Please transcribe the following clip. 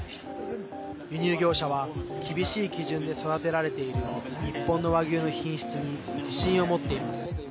輸入業者は厳しい基準で育てられている日本の和牛の品質に自信を持っています。